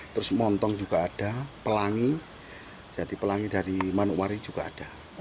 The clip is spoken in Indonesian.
terus montong juga ada pelangi jadi pelangi dari manuwari juga ada